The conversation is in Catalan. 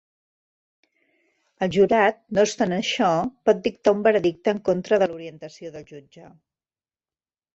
El jurat, no obstant això, pot dictar un veredicte en contra de l'orientació del jutge.